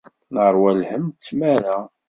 Neṛwa lhemm d tmara.